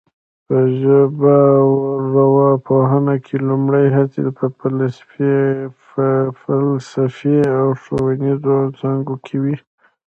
په ژبارواپوهنه کې لومړنۍ هڅې په فلسفي او ښوونیزو څانګو کې وې